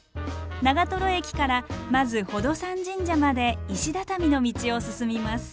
長瀞駅からまず宝登山神社まで石畳の道を進みます。